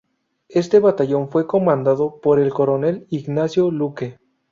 Este batallón fue comandado por el coronel Ignacio Luque.